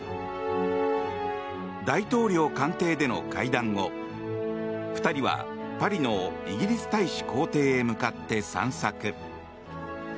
大統領官邸での会談後２人はパリのイギリス大使公邸へ向かって散策。